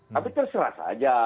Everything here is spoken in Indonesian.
tapi terserah saja